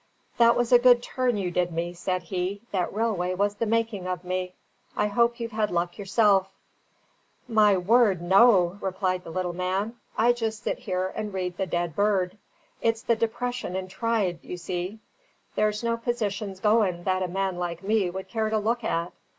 "That was a good turn you did me," said he. "That railway was the making of me. I hope you've had luck yourself." "My word, no!" replied the little man. "I just sit here and read the Dead Bird. It's the depression in tryde, you see. There's no positions goin' that a man like me would care to look at."